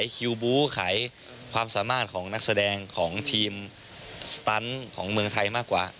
คิวบู๊ขายความสามารถของนักแสดงของทีมสตันของเมืองไทยมากกว่า